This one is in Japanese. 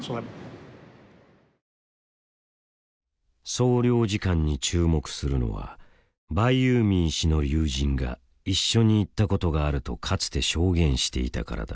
総領事館に注目するのはバイユーミー氏の友人が一緒に行ったことがあるとかつて証言していたからだ。